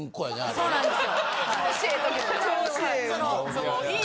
そうなんですよ。